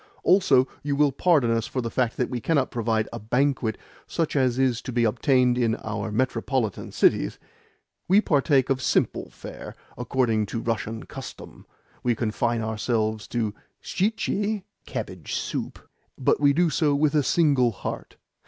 "Also, you will pardon us for the fact that we cannot provide a banquet such as is to be obtained in our metropolitan cities? We partake of simple fare, according to Russian custom we confine ourselves to shtchi , but we do so with a single heart.